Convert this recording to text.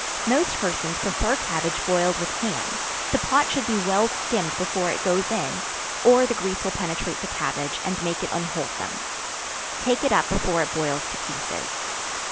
Most persons prefer cabbage boiled with ham; the pot should be well skimmed before it goes in or the grease will penetrate the cabbage, and make it unwholesome; take it up before it boils to pieces.